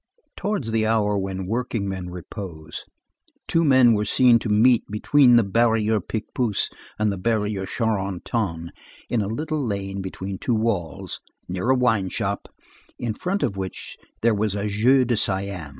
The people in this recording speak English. Towards the hour when workingmen repose, two men were seen to meet between the Barrière Picpus and the Barrière Charenton in a little lane between two walls, near a wine shop, in front of which there was a "Jeu de Siam."